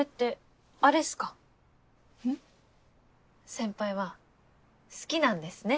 先輩は好きなんですね